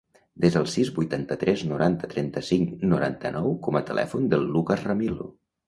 Desa el sis, vuitanta-tres, noranta, trenta-cinc, noranta-nou com a telèfon del Lukas Ramilo.